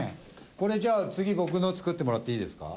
これじゃあ次僕の作ってもらっていいですか？